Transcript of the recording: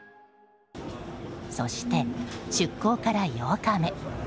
そして出港から８日目。